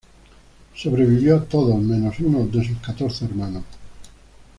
Sobrevivió a todos, menos uno, de sus catorce hermanos.